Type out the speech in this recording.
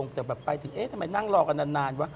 แต่แบบไปถึงเอ๊ะทำไมนั่งรอกันนานวะ